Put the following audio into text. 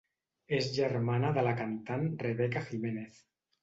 És germana de la cantant Rebeca Jiménez.